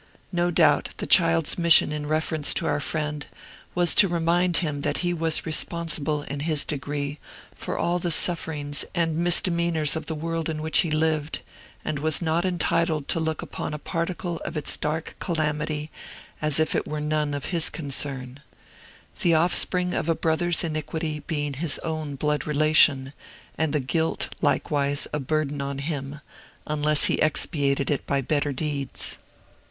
No doubt, the child's mission in reference to our friend was to remind him that he was responsible, in his degree, for all the sufferings and misdemeanors of the world in which he lived, and was not entitled to look upon a particle of its dark calamity as if it were none of his concern: the offspring of a brother's iniquity being his own blood relation, and the guilt, likewise, a burden on him, unless he expiated it by better deeds.